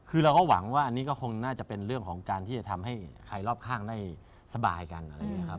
คือเราก็หวังว่าอันนี้ก็คงน่าจะเป็นเรื่องของการที่จะทำให้ใครรอบข้างได้สบายกันอะไรอย่างนี้ครับ